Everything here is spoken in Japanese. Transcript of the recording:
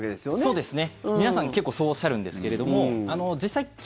そうですね。